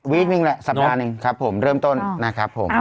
หนึ่งแหละสัปดาห์หนึ่งครับผมเริ่มต้นนะครับผม